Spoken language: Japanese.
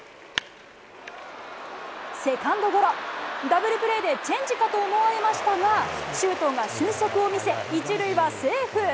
ダブルプレーでチェンジかと思われましたが、周東が俊足を見せ、１塁はセーフ。